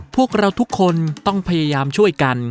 พวกเราทุกคนต้องพยายามช่วยกัน